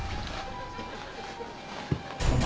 お前